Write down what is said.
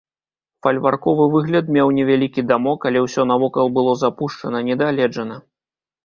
Фальварковы выгляд меў невялікі дамок, але ўсё навокал было запушчана, не дагледжана.